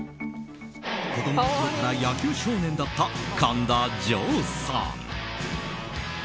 子供のころから野球少年だった神田穣さん。